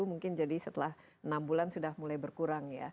mungkin jadi setelah enam bulan sudah mulai berkurang ya